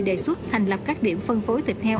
đề xuất thành lập các điểm phân phối thịt heo